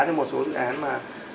thì một số dự án mà